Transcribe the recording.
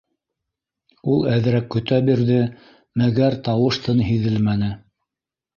Ул әҙерәк көтә бирҙе, мәгәр тауыш-тын һиҙелмәне.